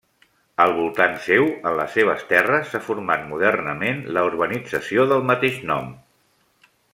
Al voltant seu, en les seves terres, s'ha format modernament la urbanització del mateix nom.